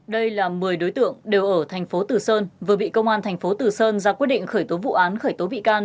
đây là một mươi đối tượng đều ở thành phố từ sơn vừa bị công an thành phố từ sơn ra quyết định khởi tố vụ án khởi tố bị can